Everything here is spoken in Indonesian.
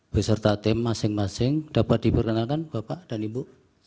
beserta tim masing masing dapat diperkenalkan bapak dan ibu